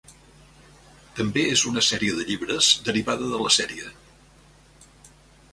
També és una sèrie de llibres derivada de la sèrie.